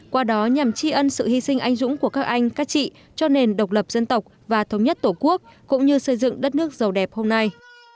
qua đó nhằm tri ân sự hy sinh anh dũng của các anh các chị cho nền độc lập dân tộc và thống nhất tổ quốc cũng như xây dựng đất nước giàu đẹp hôm nay